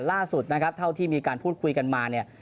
ล่าสุดนะครับเท่าที่มีการพูดคุยกันมาเนี่ย